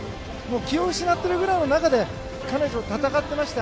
気を失っているくらいの中で彼女は戦ってました。